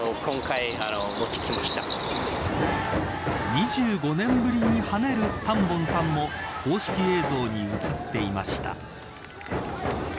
２５年ぶりに跳ねるサンボンさんも公式映像に映っていました。